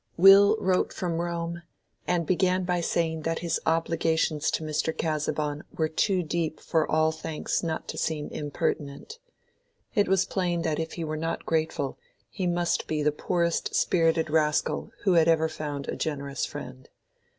Will wrote from Rome, and began by saying that his obligations to Mr. Casaubon were too deep for all thanks not to seem impertinent. It was plain that if he were not grateful, he must be the poorest spirited rascal who had ever found a generous friend.